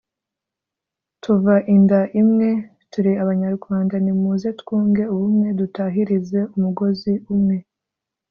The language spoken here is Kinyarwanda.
tuva inda imwe turi Abanyarwanda nimuze twunge ubumwe dutahirize umugozi umwe’’